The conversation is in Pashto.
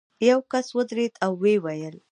یو کس ودرېد او ویې ویل.